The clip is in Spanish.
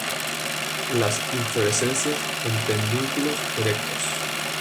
Las inflorescencias en pedúnculos erectos.